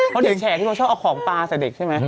เขาสิ่งแฉนขึ้นจะเอาของตาแสด็กใช่ไหม